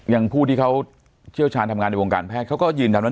ผู้ที่เขาเชี่ยวชาญทำงานในวงการแพทย์เขาก็ยืนยันว่า